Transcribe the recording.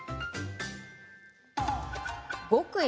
極意